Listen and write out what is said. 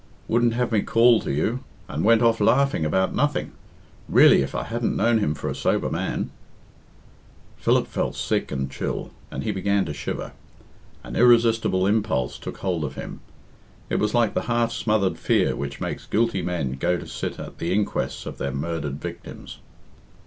Wouldn't have me call to you, and went off laughing about nothing. Really, if I hadn't known him for a sober man " Philip felt sick and chill, and he began to shiver. An irresistible impulse took hold of him. It was like the half smothered fear which makes guilty men go to sit at the inquests on their murdered victims.